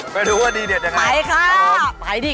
ไปดูว่าดีเด็ดยังไงโอ้โฮไปค่ะไปดิ